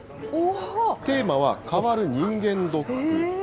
テーマは、変わる人間ドック。